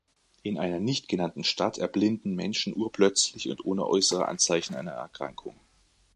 In einer nicht genannten Stadt erblinden Menschen urplötzlich und ohne äußere Anzeichen einer Erkrankung.